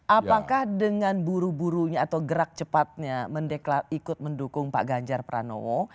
apakah dengan buru burunya atau gerak cepatnya ikut mendukung pak ganjar pranowo